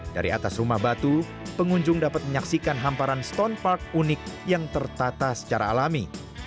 dari atas rumah batu pengunjung dapat menyaksikan hamparan stone park unik yang tertata secara alami